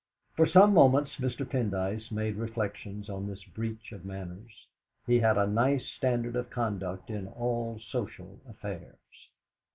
For some moments Mr. Pendyce made reflections on this breach of manners. He had a nice standard of conduct in all social affairs.